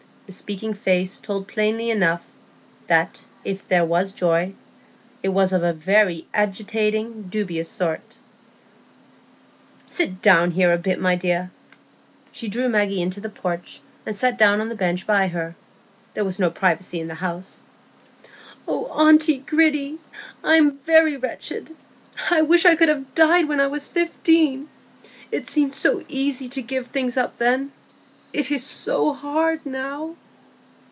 The speaking face told plainly enough that, if there was joy, it was of a very agitating, dubious sort. "Sit down here a bit, my dear." She drew Maggie into the porch, and sat down on the bench by her; there was no privacy in the house. "Oh, aunt Gritty, I'm very wretched! I wish I could have died when I was fifteen. It seemed so easy to give things up then; it is so hard now."